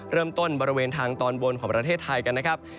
บริเวณทางตอนบนของประเทศไทยกันนะครับ